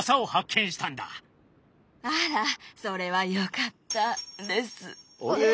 あらそれはよかったですね。